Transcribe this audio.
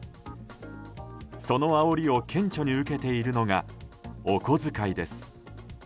そのあおりを顕著に受けているのがお小遣いです。